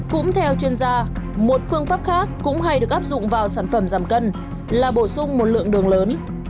cũng theo chuyên gia một phương pháp khác cũng hay được áp dụng vào sản phẩm giảm cân là bổ sung một lượng đường lớn